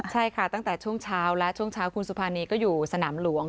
ใช่ค่ะตั้งแต่ช่วงเช้าและช่วงเช้าคุณสุภานีก็อยู่สนามหลวง